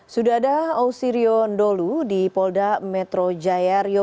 sudah ada ausirion dolu di polda metro jaya riopala